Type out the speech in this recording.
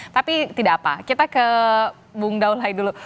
tapi tidak apa kita ke bung daulahi dulu